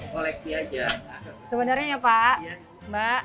koleksi aja sebenarnya pak mbak